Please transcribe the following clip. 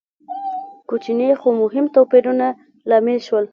کوچني خو مهم توپیرونه لامل شول.